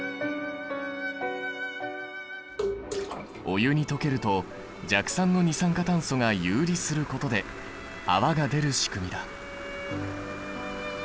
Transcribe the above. お湯に溶けると弱酸の二酸化炭素が遊離することで泡が出る仕組みだ。